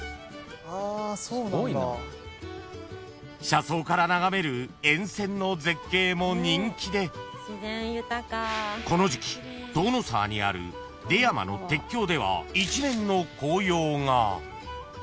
［車窓から眺める沿線の絶景も人気でこの時季塔ノ沢にある出山の鉄橋では一面の紅葉が］